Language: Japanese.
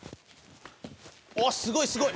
ああすごいすごい！